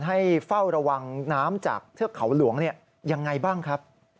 ให้เฝ้าระวังน้ำจากเทือกเขาหลวงยังไงบ้างครับ